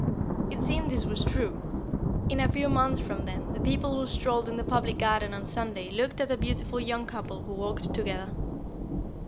It seemed this was true. In a few months from then the people who strolled in the Public Garden on Sunday looked at a beautiful young couple who walked together.